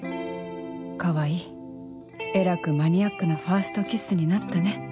川合えらくマニアックなファーストキスになったね